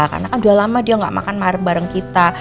karena kan udah lama dia nggak makan bareng bareng kita